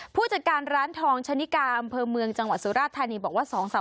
ผู้จัดการร้านทองชะนิกาอำเภอเมืองจังหวัดสุราธานีบอกว่า